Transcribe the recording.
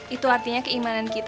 itu artinya keimanan kita